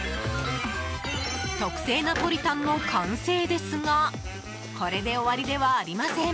特製ナポリタンの完成ですがこれで終わりではありません。